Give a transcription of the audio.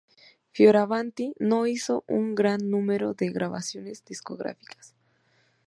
Fioravanti no hizo un gran número de grabaciones discográficas.